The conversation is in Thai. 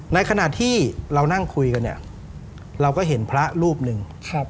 ในขณะที่เรานั่งคุยกันเนี่ยเราก็เห็นพระรูปหนึ่ง